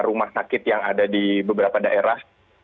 rumah sakit yang ada di beberapa daerah